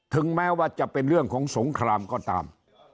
ถึงแม้ว่าจะเป็นเรื่องของสงครามก็ตาม